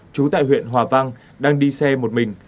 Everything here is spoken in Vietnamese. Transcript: trú tại huyện hòa vang đang đi xe một mình